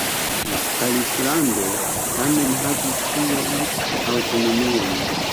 La kaliflando tamen havis iom aŭtonomion.